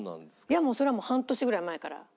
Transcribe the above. いやそれはもう半年ぐらい前から。